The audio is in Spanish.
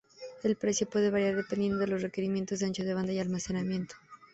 El precio puede variar dependiendo de los requerimientos de ancho de banda y almacenamiento.